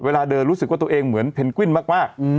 เวลาเดินรู้สึกว่าตัวเองเหมือนเพนกวิ้นมาก